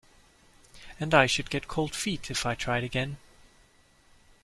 And I should get cold feet if I tried again.